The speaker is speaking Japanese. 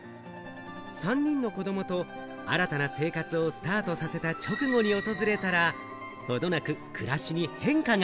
３人の子供と新たな生活をスタートさせた直後に訪れたら、ほどなく暮らしに変化が。